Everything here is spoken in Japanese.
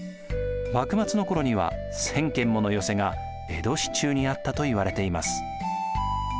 幕末の頃には１，０００軒もの寄席が江戸市中にあったといわれています。